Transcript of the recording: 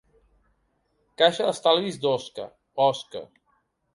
Caixa d'Estalvis d'Osca, Osca.